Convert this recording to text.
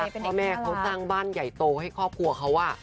พ่อแม่เขาสร้างบ้านใหญ่โตให้ครอบครัวเขา